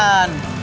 ya bang jadi berapa